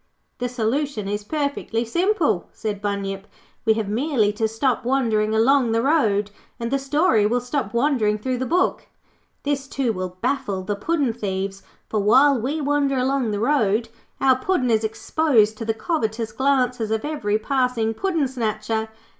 'The solution is perfectly simple,' said Bunyip. 'We have merely to stop wandering along the road, and the story will stop wandering through the book. This, too, will baffle the puddin' thieves, for while we wander along the road, our Puddin' is exposed to the covetous glances of every passing puddin' snatcher.